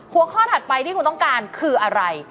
หัวข้อถัดไปที่คุณต้องการคืออะไร